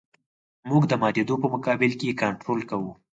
موږ د ماتېدو په مقابل کې کنټرول کوو